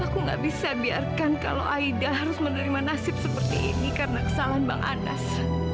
aku gak bisa biarkan kalau aida harus menerima nasib seperti ini karena kesalahan bang anas